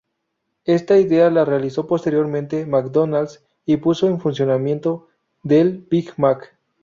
Esta idea la realizó posteriormente McDonalds y puso en funcionamiento del Big Mac.